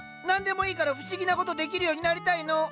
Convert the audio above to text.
何でもいいから不思議な事できるようになりたいの！